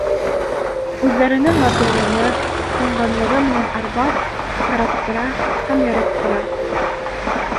Үҙҙәренең матурлығы, уңғанлығы менән арбап, ҡараттыра һәм яраттыра.